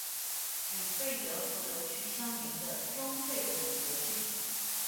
与贝德福德区相邻的中贝德福德郡。